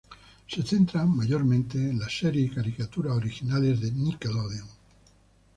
Se centra mayormente en las series y caricaturas originales de Nickelodeon.